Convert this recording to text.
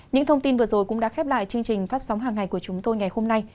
những thông tin vừa rồi cũng đã khép lại chương trình phát sóng hàng ngày của chúng tôi ngày hôm nay